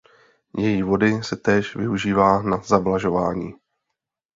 Její vody se též využívá na zavlažování.